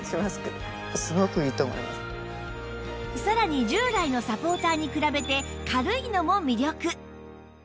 さらに従来のサポーターに比べて軽いのも魅力！